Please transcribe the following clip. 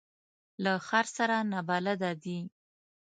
له ښار سره نابلده دي.